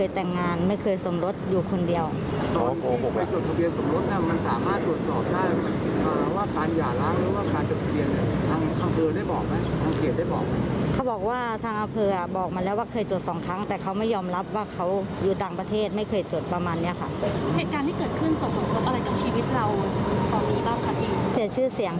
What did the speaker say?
ตัวตนเข้าโทนไป